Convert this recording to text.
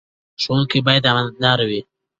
ښوونکي باید امانتدار وي.